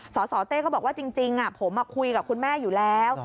สสเต้เขาบอกว่าจริงผมคุยกับคุณแม่อยู่แล้ว